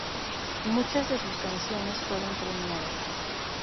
Muchas de sus canciones fueron premiadas.